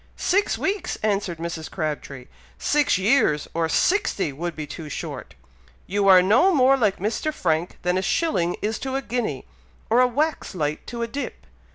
"Six weeks!" answered Mrs. Crabtree; "six years, or sixty, would be too short. You are no more like Mr. Frank than a shilling is to a guinea, or a wax light to a dip.